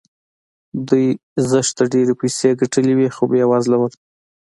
دوی زښته ډېرې پيسې ګټلې وې خو بې وزله وو.